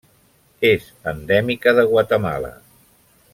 És endèmica de Guatemala.